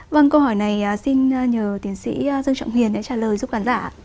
vâng câu hỏi này xin nhờ tiến sĩ dương trọng hiền đã trả lời giúp khán giả